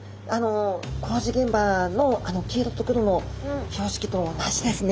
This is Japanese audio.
工事現場のあの黄色と黒の標識と同じですね。